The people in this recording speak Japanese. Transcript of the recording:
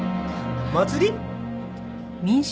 祭り？